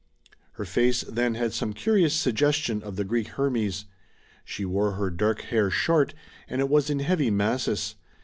Her face then had some curious suggestion of the Greek Hermes. She wore her dark hair short, and it was in heavy masses.